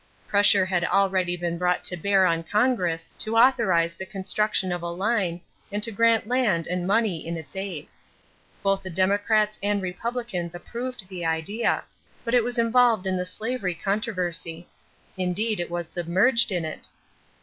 Pressure had already been brought to bear on Congress to authorize the construction of a line and to grant land and money in its aid. Both the Democrats and Republicans approved the idea, but it was involved in the slavery controversy. Indeed it was submerged in it.